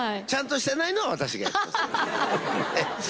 ちゃんとしてないのは私がやります。